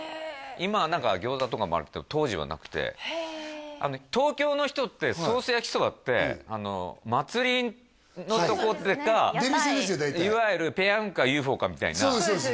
今は何かギョーザとかもあるけど当時はなくて東京の人ってソース焼きそばって祭りのとこでかいわゆるペヤングかＵＦＯかみたいなそうです